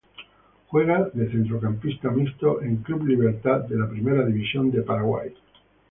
Juega de Centrocampista mixto en Club Libertad de la Primera División de Paraguay.